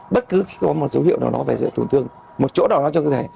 bất cứ khi có một dấu hiệu nào đó về dưới tổn thương một chỗ nào đó trong cơ thể